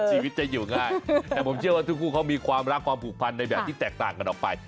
ชีวิตจะอยู่ง่ายแต่ผมเชื่อว่าทุกคู่เขามีความรักความผูกพันในแบบที่แตกต่างกันออกไป